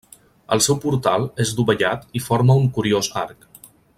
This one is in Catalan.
El seu portal és dovellat i forma un curiós arc.